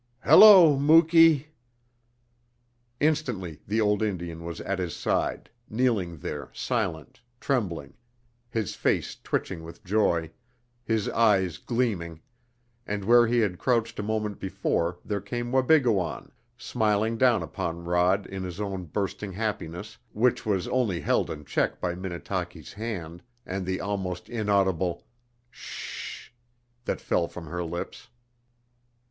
"Hello, Muky!" Instantly the old Indian was at his side, kneeling there silent, trembling, his face twitching with joy, his eyes gleaming, and where he had crouched a moment before there came Wabigoon, smiling down upon Rod in his own bursting happiness, which was only held in check by Minnetaki's hand and the almost inaudible "Sh h h h!" that fell from her lips.